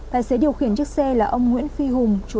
tài xế điều khiển chiếc xe là ông nguyễn phạm